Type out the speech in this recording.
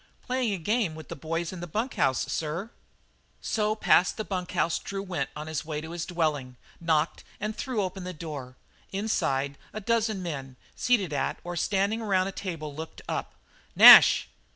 "Playing a game with the boys in the bunk house, sir." So past the bunk house Drew went on his way to his dwelling, knocked, and threw open the door. Inside, a dozen men, seated at or standing around a table, looked up. "Nash!"